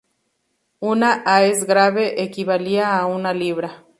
Una "aes grave" equivalía a una libra.